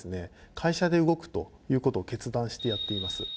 会社で動くということを決断してやっています。